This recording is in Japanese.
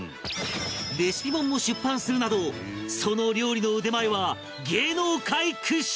レシピ本も出版するなどその料理の腕前は芸能界屈指！